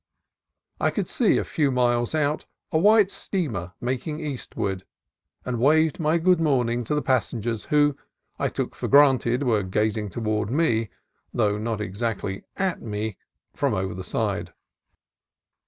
I could see, a few miles out, a white steamer making eastward, and waved my good morning to the passengers who, I took for granted, were gazing toward me, though not exactly at me, from over the side.